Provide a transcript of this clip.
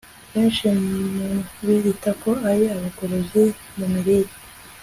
Benshi mu biyita ko ari abagorozi mu mirire